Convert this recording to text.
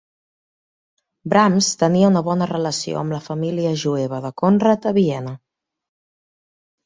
Brahms tenia una bona relació amb la família jueva de Conrat a Viena.